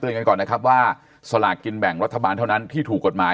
กันก่อนนะครับว่าสลากกินแบ่งรัฐบาลเท่านั้นที่ถูกกฎหมาย